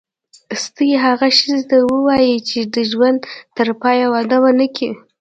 ستۍ هغه ښځي ته وايي چي د ژوند ترپایه واده ونه کي.